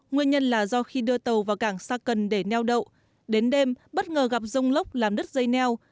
nguyên nhân là do khi đưa tàu vào cảng sa cần để neo đậu đến đêm bất ngờ gặp rông lốc làm đứt dây neo